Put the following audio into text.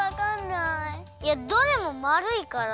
いやどれもまるいから。